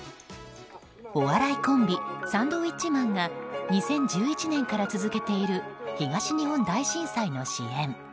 お笑いコンビサンドウィッチマンが２０１１年から続けている東日本大震災の支援。